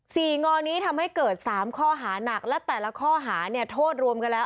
งอนี้ทำให้เกิดสามข้อหานักและแต่ละข้อหาเนี่ยโทษรวมกันแล้ว